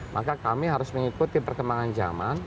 maka kami harus mengikuti perkembangan zaman